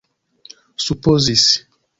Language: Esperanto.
supozis